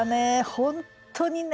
本当にね